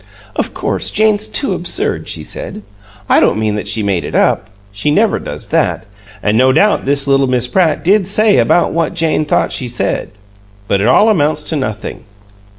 "Of course Jane's too absurd!" she said. "I don't mean that she 'made it up'; she never does that, and no doubt this little Miss Pratt did say about what Jane thought she said. But it all amounts to nothing."